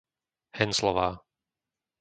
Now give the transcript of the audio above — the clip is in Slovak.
Henclová